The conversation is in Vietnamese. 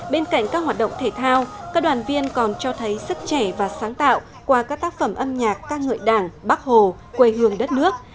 bên cạnh các hoạt động thể thao các đoàn viên còn cho thấy sức trẻ và sáng tạo qua các tác phẩm âm nhạc các ngợi đảng bắc hồ quê hương đất nước